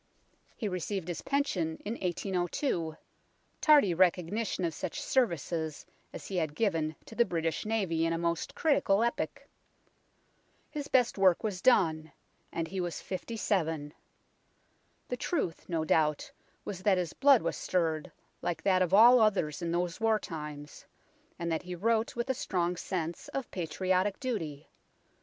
He received 121 his pension in 1802, tardy recognition of such services as he had given to the British Navy in a most critical epoch. His best work was done, and he was fifty seven. The truth no doubt was that his blood was stirred, like that of all others in those war times, and that he wrote with a strong sense of patriotic duty.